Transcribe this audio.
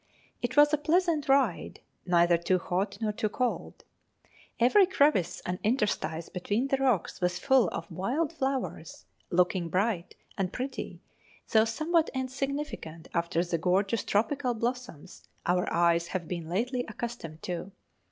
It was a pleasant ride, neither too hot nor too cold. Every crevice and interstice between the rocks was full of wild flowers, looking bright and pretty, though somewhat insignificant after the gorgeous tropical blossoms our eyes have been lately accustomed to.